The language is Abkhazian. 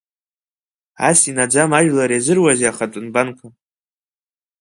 Ас инаӡам ажәлар иазыруазеи ахатәы нбанқәа!